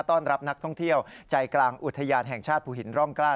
ต้อนรับนักท่องเที่ยวใจกลางอุทยานแห่งชาติภูหินร่องกล้า